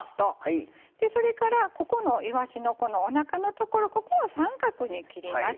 それからここのいわしのおなかのところここを三角に切ります。